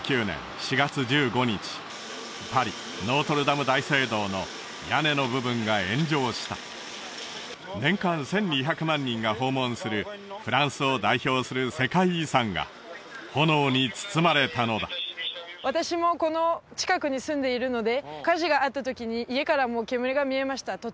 ２０１９年４月１５日パリノートルダム大聖堂の屋根の部分が炎上した年間１２００万人が訪問するフランスを代表する世界遺産が炎に包まれたのだ私もこの近くに住んでいるので火事があったときに家からも煙が見えました